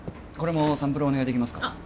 これもサンプルお願いできますか？